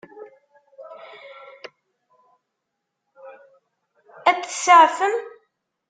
Ad t-tseɛfem?